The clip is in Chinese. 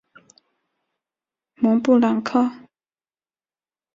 蒙布朗克。